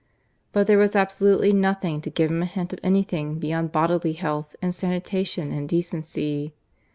But there was absolutely nothing to give a hint of anything beyond bodily health and sanitation and decency.